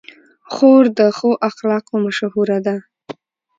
خور د ښو اخلاقو مشهوره ده.